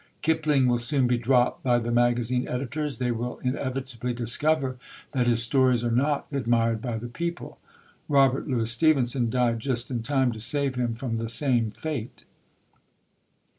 Kipling will soon be dropped by the magazine editors; they will inevitably discover that his stories are not admired by the people. Robert Louis Stevenson died just in time to save him from the same fate."